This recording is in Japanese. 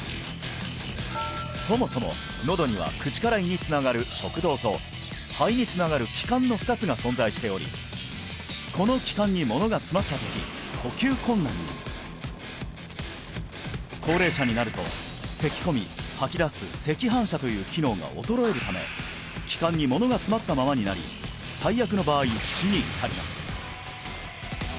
そもそも喉には口から胃につながる食道と肺につながる気管の２つが存在しておりこの気管にものが詰まった時呼吸困難に高齢者になると咳込み吐き出す咳反射という機能が衰えるため気管にものが詰まったままになり最悪の場合死に至ります